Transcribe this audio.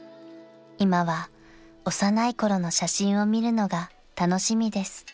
［今は幼いころの写真を見るのが楽しみです］